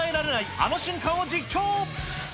あの瞬間を実況。